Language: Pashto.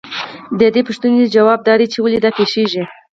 د دې پوښتنې ځواب دا دی چې ولې دا پېښېږي